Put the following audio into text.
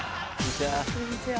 こんにちは。